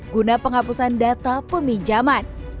guna penghapusan data peminjaman